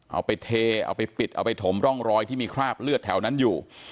เอาไปเทเอาไปปิดเอาไปถมร่องรอยที่มีคราบเลือดแถวนั้นอยู่